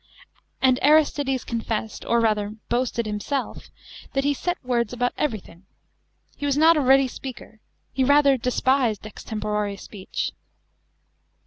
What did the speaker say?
And Aristides confessed, or rather boasted, himself, that he set words above everything. He was not a ready speaker; he rather despised extempore speech.